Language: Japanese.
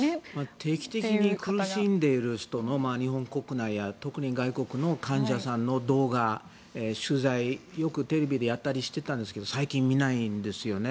定期的に苦しんでいる人も日本国内特に外国の患者さんの取材、よくテレビでやったりしてたんですけど最近見ないんですよね。